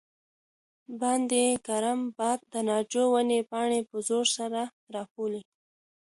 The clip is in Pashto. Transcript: باندې ګرم باد د ناجو ونې پاڼې په زور سره رپولې.